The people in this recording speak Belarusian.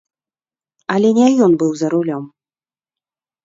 Але не ён быў за рулём.